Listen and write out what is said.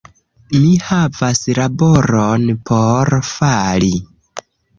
Mi havas laboron por fari